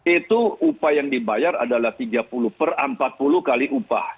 itu upah yang dibayar adalah tiga puluh per empat puluh kali upah